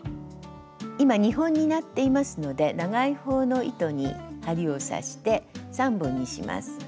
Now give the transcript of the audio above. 今２本になっていますので長い方の糸に針を刺して３本にします。